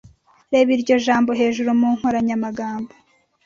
Reba iryo jambo hejuru mu nkoranyamagambo.